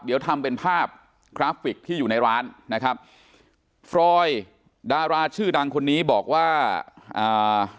เดี๋ยวทำเป็นภาพกราฟิกที่อยู่ในร้านนะครับฟรอยดาราชื่อดังคนนี้บอกว่าอ่า